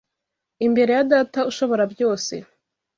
imbere ya Data Ushoborabyose